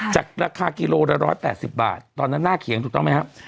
จากราคากิโลด้าร้อยร้อยแปดสิบบาทตอนนั้นน่าเขียงถูกต้องไหมฮะ